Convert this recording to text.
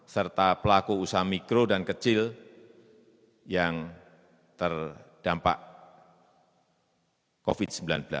serta pelaku usaha mikro dan kecil yang terdampak covid sembilan belas